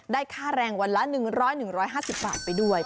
ค่าแรงวันละ๑๐๐๑๕๐บาทไปด้วย